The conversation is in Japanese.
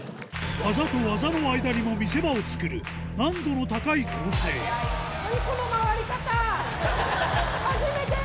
技と技の間にも見せ場を作る難度の高い構成ハハ！